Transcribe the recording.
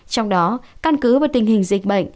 trong đó căn cứ và tình hình dịch